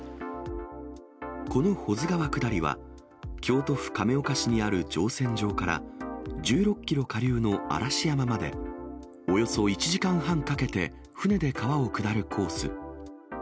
この保津川下りは、京都府亀岡市にある乗船場から、１６キロ下流の嵐山まで、およそ１時間半かけて船で川を下るコース。